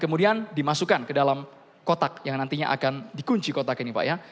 kemudian dimasukkan ke dalam kotak yang nantinya akan dikunci kotak ini pak ya